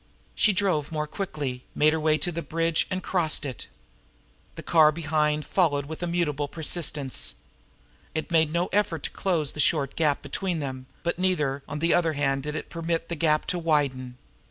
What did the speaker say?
She drove more quickly, made her way to the Bridge, and crossed it. The car behind followed with immutable persistence. It made no effort to close the short gap between them; but, neither, on the other hand, did it permit that gap to widen.